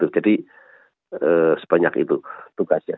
jadi sebanyak itu tugasnya